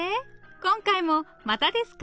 今回もまたですか？